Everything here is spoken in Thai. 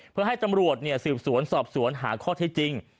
เพื่อให้ตำรวจสืบสวนสอบสวนหาข้อเท็จจริง